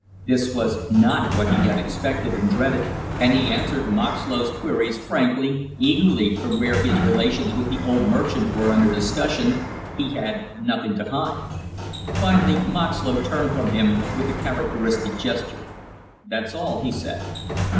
This was not what he had expected and dreaded, and he answered Moxlow's queries frankly, eagerly, for where his relations with the old merchant were under discussion he had nothing to hide. Finally Moxlow turned from him with a characteristic gesture. "That's all," he said.